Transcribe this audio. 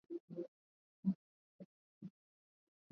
yao wa Uajemi na makabila yasiyostaarabika kutoka kaskazini